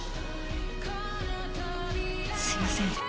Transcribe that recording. すいません